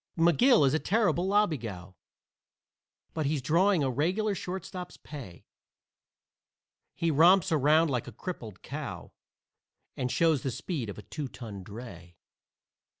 McGill is a terrible lobbygow, But he's drawing a regular shortstop's pay; He romps around like a crippled cow And shows the speed of a two ton dray.